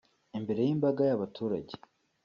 Imbere y’imbaga y’abaturage